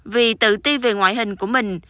vì tự ti về ngoại hình của mình